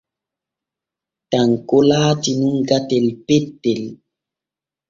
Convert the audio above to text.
Tanko laati nun gatel pettel.